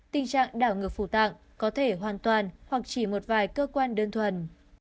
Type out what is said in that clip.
tình trạng đảo ngược phủ tạng có thể hoàn toàn hoặc chỉ một vài cơ quan đơn thuần